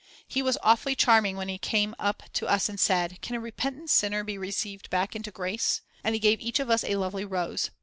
He was awfully charming when he came up to us and said: "Can a repentant sinner be received back into grace?" And he gave each of us a lovely rose.